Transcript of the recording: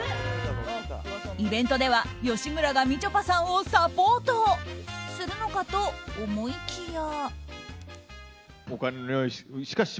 イベントでは吉村がみちょぱさんをサポートするのかと思いきや。